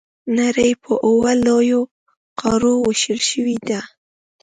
نړۍ په اووه لویو قارو وېشل شوې ده.